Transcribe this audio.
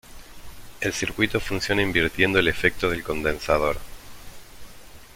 El circuito funciona invirtiendo el efecto del condensador.